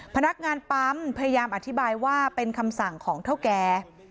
พนักงานปั๊มพยายามอธิบายว่าเป็นคำสั่งของเท่าแก่